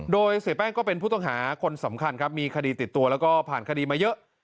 โดยเสียแป้งก็เป็นผู้ต้องหาคนสำคัญครับมีคดีติดตัวแล้วก็ผ่านคดีมาเยอะ